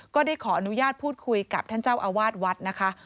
ก็ได้ขออนุญาตพูดคุยกับท่านเจ้าอาวาสวัดนะคะ